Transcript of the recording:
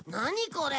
これ。